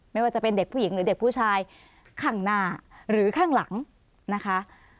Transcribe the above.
ไม่ว่าจะเป็นเด็กผู้หญิงหรือเด็กผู้ชายข้างหน้าหรือข้างหลังนะคะ